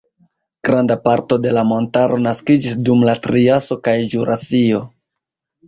Granda parto de la montaro naskiĝis dum la triaso kaj ĵurasio.